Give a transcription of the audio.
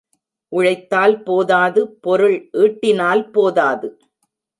உழைத்தால் போதாது பொருள் ஈட்டினால் போதாது.